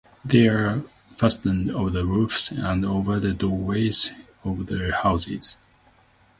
They are fastened on the roofs and over the doorways of the houses.